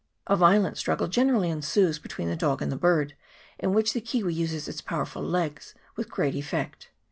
A violent struggle generally ensues between the dog and the bird, in which the kiwi uses its powerful legs with great effect.